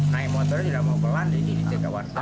naik motornya tidak mau pelan jadi ini di tengah warga